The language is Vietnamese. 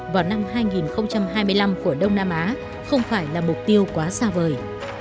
vào năm hai nghìn hai mươi năm của đông nam á không phải là mục tiêu quá xa vời